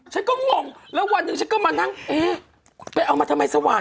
ฉันก็งงแล้ววันหนึ่งฉันก็มานั่งเอ๊ะไปเอามาทำไมสว่าง